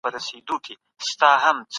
عام خلګ بايد په سياسي بهيرونو کي ګډون وکړي.